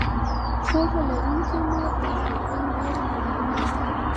پوهه لرونکې مور د ناروغۍ ویره کموي.